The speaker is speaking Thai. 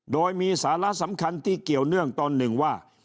โดยมีสาระสำคัญที่เกี่ยวเนื่องตอนหนึ่งว่า